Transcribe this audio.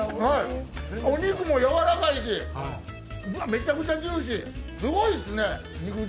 お肉もやわらかいしうわ、めちゃくちゃジューシー、すごいですね。